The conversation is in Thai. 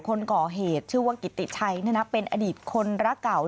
คนก่อเหตุชื่อว่ากิติชัยเป็นอดีตคนรักเก่า